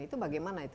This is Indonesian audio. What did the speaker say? itu bagaimana itu